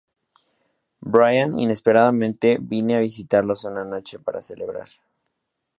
Brian inesperadamente viene a visitarlos una noche para celebrar.